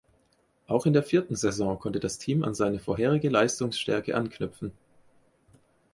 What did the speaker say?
Auch in der vierten Saison konnte das Team an seine vorherige Leistungsstärke anknüpfen.